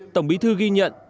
tổng bí thư ghi nhận